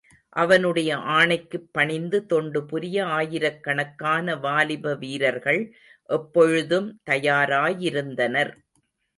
அவனுடைய ஆணைக்குப் பணிந்து தொண்டு புரிய ஆயிரக்கணக்கான வாலிப வீரர்கள் எப்பொழுதும் தயாராயிருந்தனர்.